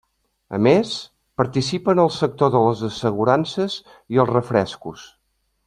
A més, participa en el sector de les assegurances i els refrescos.